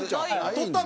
取ったの？